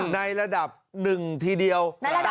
ในระดับหนึ่งทีเดียว